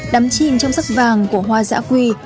đám chim trong sắc vàng của hoa giã quỳ